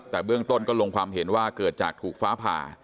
แต่เบื้องต้นก็ลงความเห็นว่าเกิดจากถูกฟ้าผ่า